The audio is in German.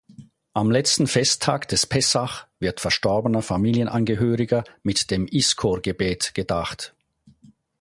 Am letzten Festtag des Pessach wird verstorbener Familienangehöriger mit dem Jiskor-Gebet gedacht.